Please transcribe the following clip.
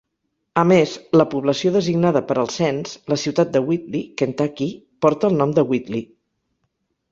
A més, la població designada per al cens, la ciutat de Whitley, Kentucky, porta el nom de Whitley.